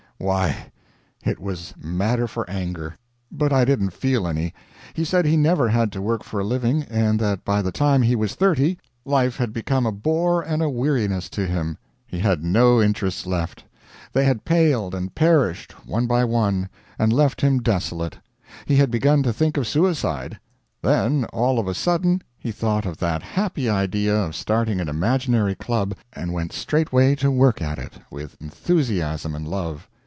Why, it was matter for anger, but I didn't feel any. He said he never had to work for a living, and that by the time he was thirty life had become a bore and a weariness to him. He had no interests left; they had paled and perished, one by one, and left him desolate. He had begun to think of suicide. Then all of a sudden he thought of that happy idea of starting an imaginary club, and went straightway to work at it, with enthusiasm and love.